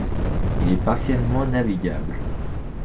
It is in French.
Il est partiellement navigable.